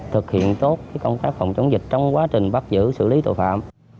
thực hiện tốt công tác phòng chống dịch trong quá trình bắt giữ xử lý tội phạm